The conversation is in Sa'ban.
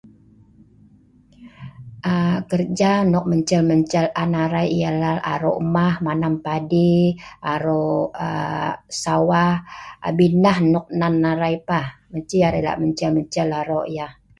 um kerja nok mencel mencel an arai ialah aro' mah, manam padi, aro' um sawah, abin nah nok nan arai pah. mesti arai la' mencel mencel aro' yah.